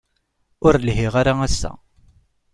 Ur lhiɣ ara ass-a.